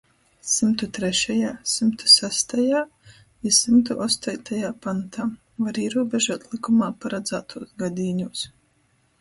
Symtu trešajā, symtu sastajā i symtu ostoitajā pantā, var īrūbežuot lykumā paradzātūs gadīņūs,